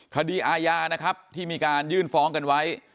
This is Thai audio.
คดีอาญานะครับที่มีการยื่นฟ้องกันไว้